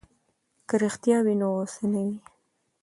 که رښتیا وي نو غصه نه وي.